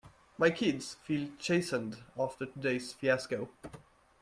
My kids feel chastened after today's fiasco.